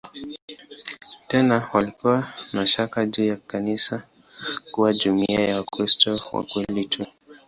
Tena walikuwa na shaka juu ya kanisa kuwa jumuiya ya "Wakristo wa kweli tu".